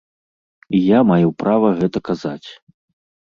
І я маю права гэта казаць.